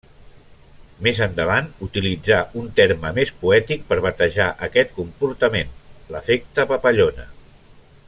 Més endavant, utilitzà un terme més poètic per batejar aquest comportament: l'efecte papallona.